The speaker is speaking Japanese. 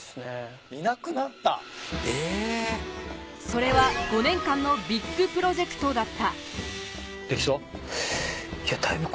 それは５年間のビッグプロジェクトだったいや僕。